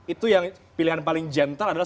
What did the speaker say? itu yang pilihan paling gentle adalah